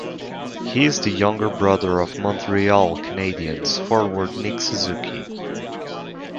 He is the younger brother of Montreal Canadiens forward Nick Suzuki.